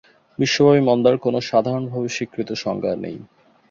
বিশ্বব্যাপী মন্দার কোনও সাধারণভাবে স্বীকৃত সংজ্ঞা নেই।